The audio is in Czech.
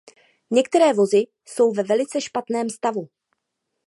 Některé vozy jsou ve velice špatném stavu.